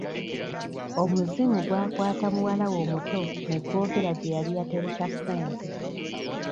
Omuzimu gwakata muwalawe omuto ne gw'ogera gye yali yatereka ssente.